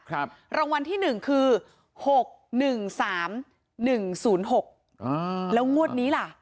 รางวัลที่๑คือ๖๑๓๑๐๖แล้วงวดนี้ล่ะ